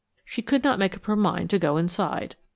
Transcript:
She could not make up her mind to go inside.